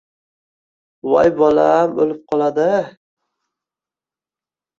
Voy, bolam o‘lib qoladi!